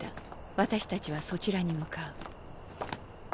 私たちはそちらに向かう。